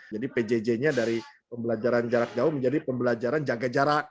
jadi pjj nya dari pembelajaran jarak jauh menjadi pembelajaran jangka jarak